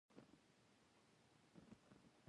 احمد هم کوزه اخيستې ده.